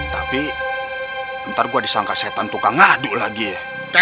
tapi ntar gua disangka setan tukang ngaduk lagi ya